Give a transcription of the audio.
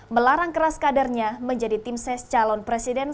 melarang keras kadernya menjadi tim ses calon presiden